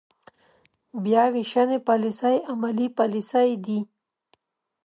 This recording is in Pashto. بیا وېشنې پاليسۍ عملي پاليسۍ دي.